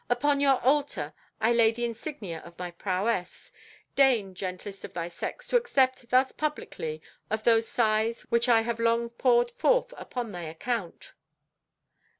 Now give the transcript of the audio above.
Upon your altar, I lay the insignia of my prowess. Deign, gentlest of thy sex, to accept thus publicly of those sighs which I have long poured forth upon thy account."